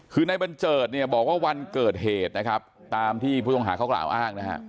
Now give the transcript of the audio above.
คือนายบัญเจิดเนี่ยบอกว่าวันเกิดเหตุนะครับตามที่ผู้ต้องหาเขากล่าวอ้างนะฮะ